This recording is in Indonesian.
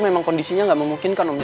memang kondisinya gak memungkinkan om